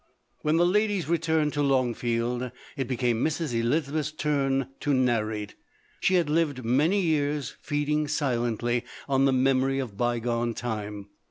When the ladies returned to Longfield, it be came Mrs. Elizabeth's turn to narrate. She had lived many years feeding silently on the memory of by gone time.